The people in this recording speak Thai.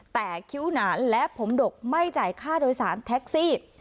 แต่คิ้วหนานและผมดกไม่จ่ายค่าโดยสารแท็กซี่